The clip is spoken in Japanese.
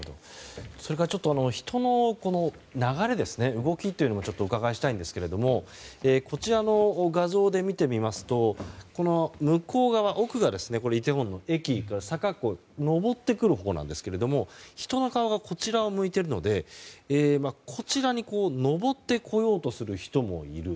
それから、人の流れ、動きをお伺いしたいんですがこちらの画像で見てみますと向こう側、奥がイテウォンの駅から坂を上ってくるほうなんですが人の顔はこちらを向いているのでこちらに上ってこようとする人もいる。